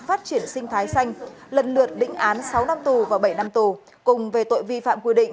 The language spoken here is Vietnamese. phát triển sinh thái xanh lần lượt đỉnh án sáu năm tù và bảy năm tù cùng về tội vi phạm quy định